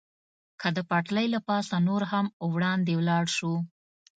که د پټلۍ له پاسه نور هم وړاندې ولاړ شو.